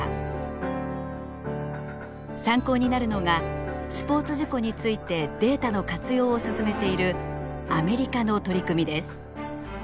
参考になるのがスポーツ事故についてデータの活用を進めているアメリカの取り組みです。